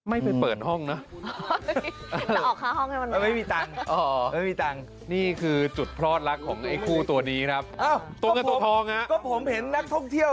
อันที่สุดท้าย